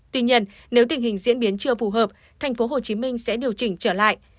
tuy nhiên nếu tình hình diễn biến chưa phù hợp tp hcm sẽ điều chỉnh trở lại